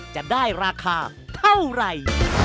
จะได้ราคาเท่าไหร่